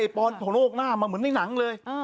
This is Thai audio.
ปอนทะลกหน้ามาเหมือนในหนังเลย